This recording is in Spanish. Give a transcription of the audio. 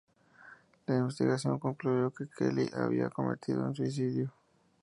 La investigación concluyo que Kelly había cometido un suicido.